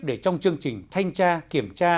để trong chương trình thanh tra kiểm tra